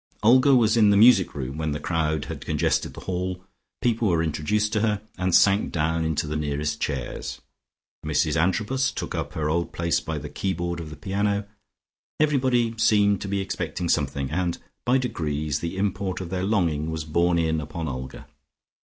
Olga was in the music room when the crowd had congested the hall. People were introduced to her, and sank down into the nearest chairs. Mrs Antrobus took up her old place by the keyboard of the piano. Everybody seemed to be expecting something, and by degrees the import of their longing was borne in upon Olga.